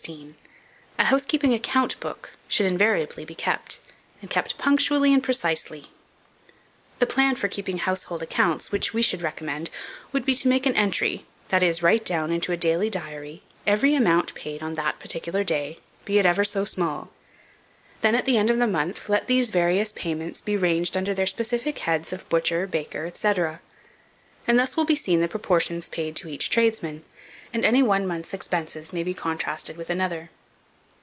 A HOUSEKEEPING ACCOUNT BOOK should invariably be kept, and kept punctually and precisely. The plan for keeping household accounts, which we should recommend, would be to make an entry, that is, write down into a daily diary every amount paid on that particular day, be it ever so small; then, at the end of the month, let these various payments be ranged under their specific heads of Butcher, Baker, &c. and thus will be seen the proportions paid to each tradesman, and any one month's expenses may be contrasted with another.